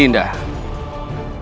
tindakan terima nih